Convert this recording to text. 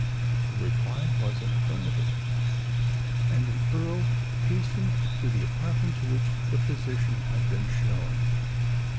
The reply was an affirmative; and the Earl hastened to the apartment to which the physician had been shown.